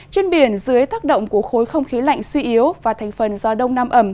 trên biển dưới tác động của khối không khí lạnh suy yếu và thành phần gió đông nam ẩm